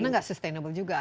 karena gak sustainable juga